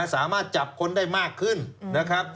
สามารถจับคนได้มากขึ้นนะครับ